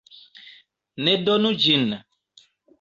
Ne donu ĝin!